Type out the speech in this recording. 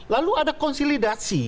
lalu ada konsolidasi